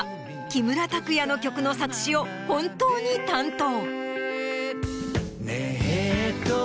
木村拓哉の曲の作詞を本当に担当。